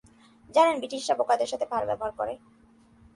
জানেন, ব্রিটিশরা বোকাদের সাথে ভালো ব্যবহার করে।